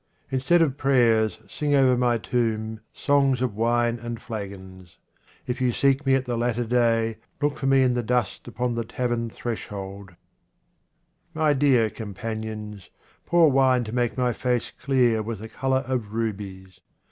Instead of prayers sing over my tomb songs of wine and flagons. If you seek me at the latter day, look for me in the dust upon the tavern threshold. My dear companions, pour wine to make my face clear with the colour of rubies.